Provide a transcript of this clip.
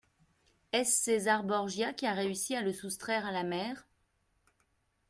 Est-ce César Borgia qui a réussi à le soustraire à la mère ?